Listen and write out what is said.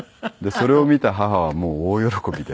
それを見た母はもう大喜びで。